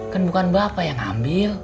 kan bukan bapak yang ambil